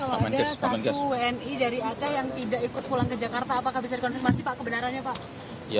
pak ini kami kita mendapat kabar kalau ada satu wni dari aceh yang tidak ikut pulang ke jakarta apakah bisa dikonfirmasi pak kebenarannya pak